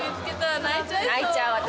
泣いちゃう私。